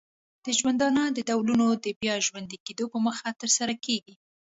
د ژوندانه د ډولونو د بیا ژوندې کیدو په موخه ترسره کیږي.